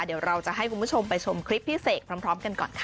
เดี๋ยวเราจะให้คุณผู้ชมไปชมคลิปพี่เสกพร้อมกันก่อนค่ะ